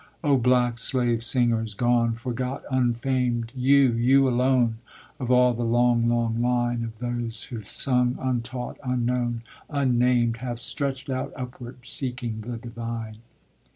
O black slave singers, gone, forgot, unfamed, You you alone, of all the long, long line Of those who've sung untaught, unknown, unnamed, Have stretched out upward, seeking the divine.